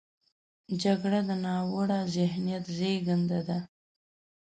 جګړه د ناوړه ذهنیت زیږنده ده